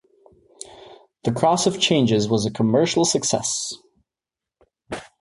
"The Cross of Changes" was a commercial success.